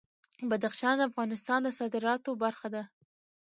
بدخشان د افغانستان د صادراتو برخه ده.